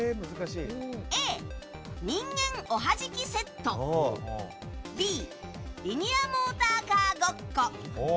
Ａ、人間おはじきセットＢ、リニアモーターカーごっこ。